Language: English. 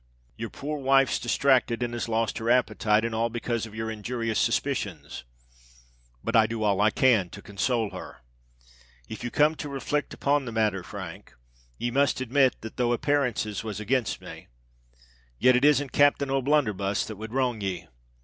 Your poor wife's distracted and has lost her appetite, and all because of your injurious suspicions; but I do all I can to consoul her. If you come to reflict upon the matther, Frank, ye must admit that though appayrances was against me, yet it isn't Capthain O'Blunderbuss that would wrong ye.